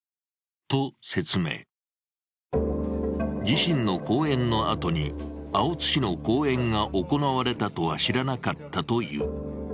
自身の講演のあとに青津氏の講演が行われたとは知らなかったという。